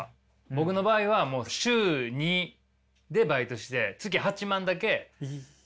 僕の場合はもう週２でバイトして月８万だけ稼ぐっていう。